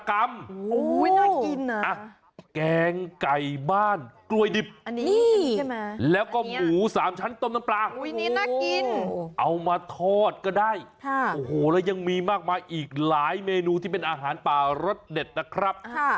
โอ้โหอันนี้น่ากินเอามาทอดก็ได้ค่ะโอ้โหแล้วยังมีมากมายีกหลายเมนูที่เป็นอาหารป่ารสเด็ดนะครับค่ะ